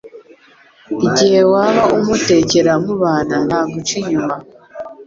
igihe waba umutekera mubana ntaguca inyuma